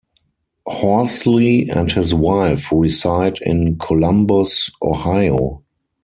Horsley and his wife reside in Columbus, Ohio.